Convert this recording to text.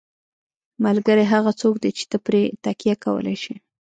ملګری هغه څوک دی چې ته پرې تکیه کولی شې.